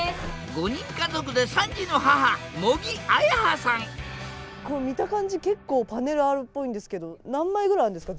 ５人家族で３児の母茂木文葉さん見た感じ結構パネルあるっぽいんですけど何枚ぐらいあるんですか？